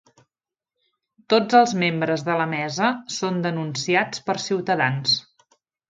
Tots els membres de la mesa són denunciats per Ciutadans